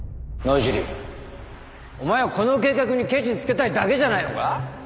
野尻お前はこの計画にケチつけたいだけじゃないのか？